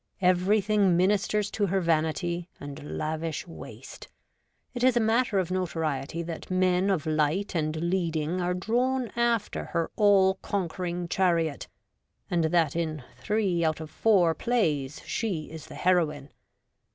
Every thing ministers to her vanity and lavish waste. It is a matter of notoriety that men of light and leading are drawn after her all conquering chariot, and that in three out of every four plays she is the heroine.